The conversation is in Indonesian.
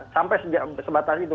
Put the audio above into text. sampai sebatas itu